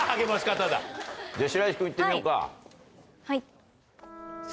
はい。